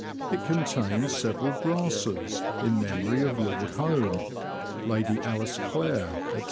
It contains several brasses in memory of Lord Home, Lady Alice Clere, &c.